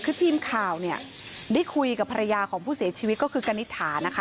คือทีมข่าวเนี่ยได้คุยกับภรรยาของผู้เสียชีวิตก็คือกณิตถานะคะ